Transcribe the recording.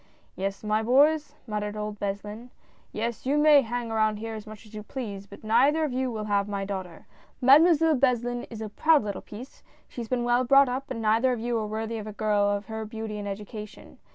"Yes, my boys," muttered old Beslin, " yes, you may hang around here as much as you please, but neither of you will have my daughter — Mademoiselle Beslin is a proud little piece ; she has been well brought up, and neither of you are worthy of a girl of her beauty and education.